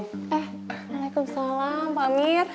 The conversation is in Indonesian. eh waalaikumsalam pak amir